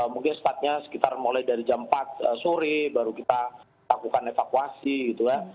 mungkin startnya sekitar mulai dari jam empat sore baru kita lakukan evakuasi gitu ya